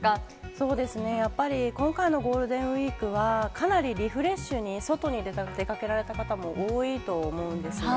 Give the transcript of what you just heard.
やっぱり今回のゴールデンウィークは、かなりリフレッシュに外に出かけられた方も多いと思うんですね。